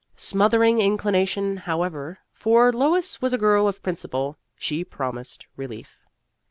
Smothering inclination, however, for Lois was a girl of principle, she promised relief.